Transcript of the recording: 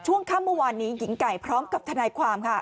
ช่วงค่ำเมื่อวานนี้หญิงไก่พร้อมกับทนายความค่ะ